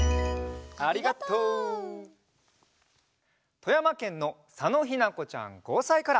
とやまけんのさのひなこちゃん５さいから。